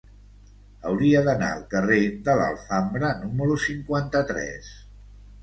Hauria d'anar al carrer de l'Alfambra número cinquanta-tres.